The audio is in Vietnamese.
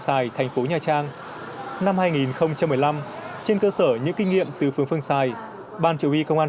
xài thành phố nhà trang năm hai nghìn một mươi năm trên cơ sở những kinh nghiệm từ phương phương xài ban chủ y công an